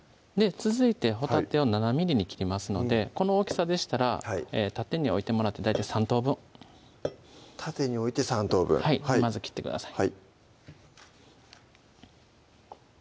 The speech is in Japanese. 続いてほたてを７ｍｍに切りますのでこの大きさでしたら縦に置いてもらって大体３等分縦に置いて３等分はいまず切ってください